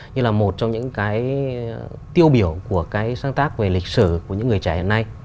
như là một trong những cái tiêu biểu của cái sáng tác về lịch sử của những người trẻ hiện nay